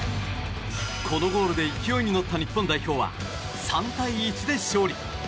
このゴールで勢いに乗った日本代表は３対１で勝利。